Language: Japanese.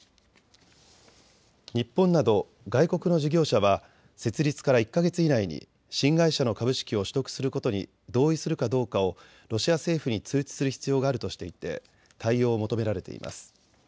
日本など外国の事業者は設立から１か月以内に新会社の株式を取得することに同意するかどうかをロシア政府に通知する必要があるとしていて対応を求められています。